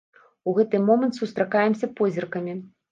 У гэты момант сустракаемся позіркамі.